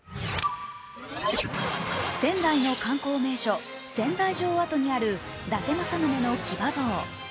仙台の観光名所、仙台城跡にある伊達政宗の騎馬像。